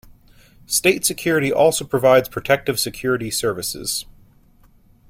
State Security also provides protective security services.